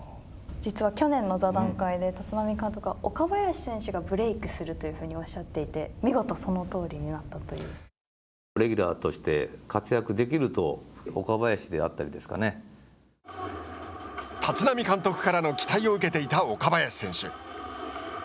実は去年の座談会で立浪監督は岡林選手がブレークするというふうにおっしゃっていてレギュラーとして活躍できると立浪監督からの期待を受けていた岡林選手。